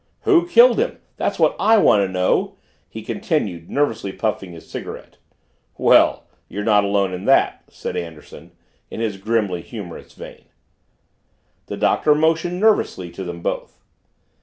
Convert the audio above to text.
"Who killed him? That's what I want to know!" he continued, nervously puffing his cigarette. "Well, you're not alone in that," said Anderson in his grimly humorous vein. The Doctor motioned nervously to them both.